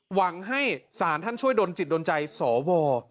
หวังให้ศาลท่านช่วยดนจิตดนใจสอบวอร์